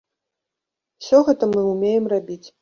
Усё гэта мы ўмеем рабіць.